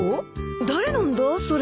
誰なんだそれ？